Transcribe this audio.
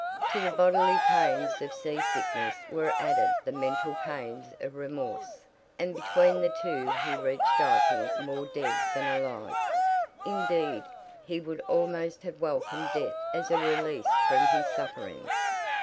To the bodily pains of seasickness were added the mental pains of remorse, and between the two he reached Dieppe more dead than alive; indeed, he would almost have welcomed death as a release from his sufferings.